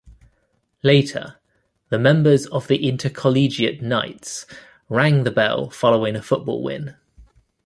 Later, the members of the Intercollegiate Knights rang the bell following a football win.